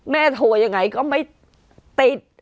โทรยังไงก็ไม่ติด